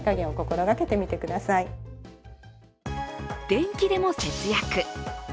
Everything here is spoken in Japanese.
電気でも節約。